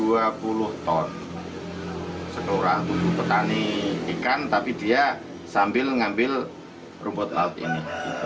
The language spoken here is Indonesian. sekurang kurangnya petani ikan tapi dia sambil mengambil rumput laut ini